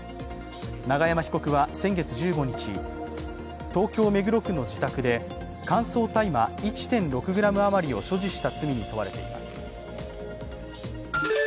永山被告は先月１５日、東京・目黒区の自宅で乾燥大麻１．６ｇあまりを所持した罪に問われています。